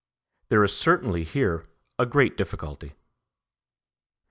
There is certainly here a great difficulty.